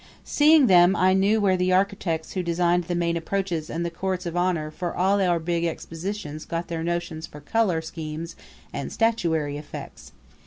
Seeing them I knew where the architects who designed the main approaches and the courts of honor for all our big expositions got their notions for color schemes and statuary effects.